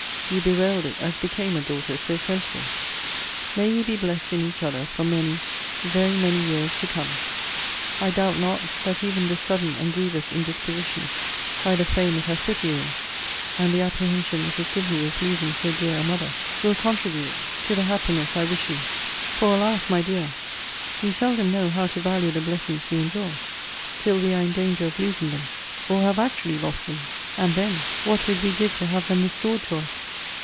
You bewailed it as became a daughter so sensible. May you be blessed in each other for many, very many years to come! I doubt not, that even this sudden and grievous indisposition, by the frame it has put you in, and the apprehension it has given you of losing so dear a mother, will contribute to the happiness I wish you: for, alas! my dear, we seldom know how to value the blessings we enjoy, till we are in danger of losing them, or have actually lost them: and then, what would we give to have them restored to us!